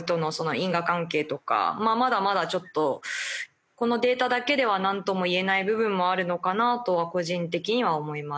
まだまだちょっとこのデータだけではなんとも言えない部分もあるのかなとは個人的には思います。